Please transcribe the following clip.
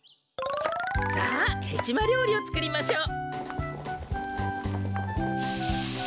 さあヘチマりょうりをつくりましょう。